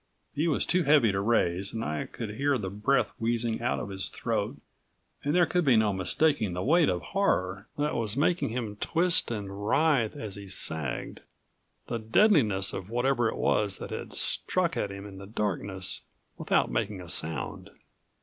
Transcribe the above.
He was too heavy to raise and I could hear the breath wheezing out of his throat and there could be no mistaking the weight of horror that was making him twist and writhe as he sagged the deadliness of whatever it was that had struck at him in the darkness without making a sound.